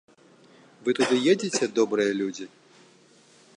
Вы туды едзеце, добрыя людзі?